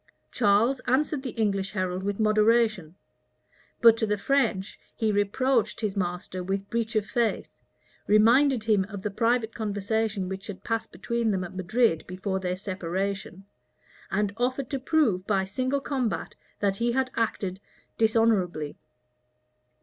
Charles answered the English herald with moderation; but to the French he reproached his master with breach of faith, reminded him of the private conversation which had passed between them at Madrid before their separation, and offered to prove by single combat that he had acted dishonorably.